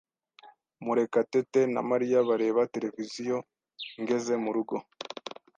Murekatete na Mariya bareba televiziyo ngeze mu rugo.